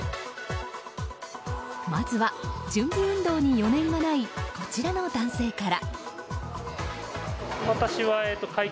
まずは、準備運動に余念がないこちらの男性から。